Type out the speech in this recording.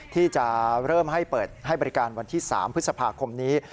ที่จะเริ่มให้เปิดให้บริการวันที่๓พฤษภาคมนี้